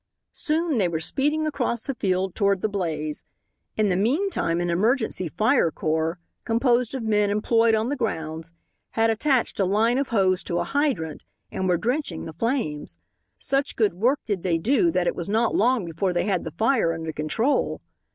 Soon they were speeding across the field toward the blaze. In the meantime an emergency fire corps, composed of men employed on the grounds, had attached a line of hose to a hydrant and were drenching the flames. Such good work did they do that it was not long before they had the fire under control.